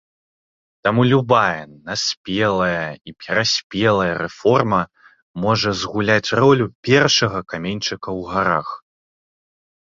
Таму любая наспелая і пераспелая рэформа можа згуляць ролю першага каменьчыка ў гарах.